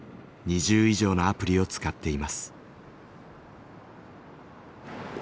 ２０以上のアプリを使っています。